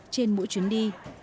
trên mỗi chuyến đi